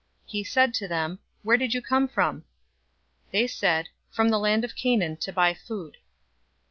He said to them, "Where did you come from?" They said, "From the land of Canaan to buy food."